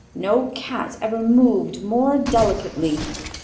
No Cat ever moved more delicately.